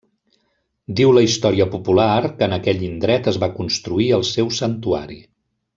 Diu la història popular que en aquell indret es va construir el seu Santuari.